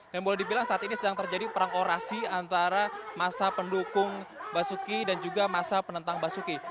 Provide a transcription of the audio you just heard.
dan boleh dibilang saat ini sedang terjadi perang orasi antara masa pendukung basuki dan juga masa penentang basuki